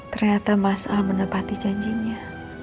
ternyata mas al menepati janjinya